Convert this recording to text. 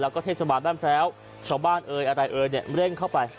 ก็เทศบาลแบบแซวชาวบ้านเอ๋ยอะไรเอ๋ยเนี่ยเร่งเข้าไป